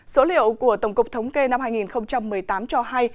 số liệu của tổng cục thống kê năm hai nghìn một mươi tám cho hay